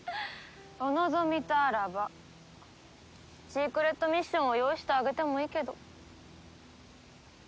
お望みとあらばシークレットミッションを用意してあげてもいいけど。